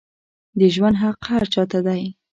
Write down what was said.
د ژوند حق هر چا ته دی